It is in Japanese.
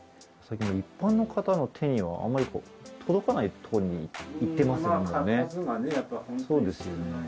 最近一般の方の手にはあまり届かないところに行ってますよね。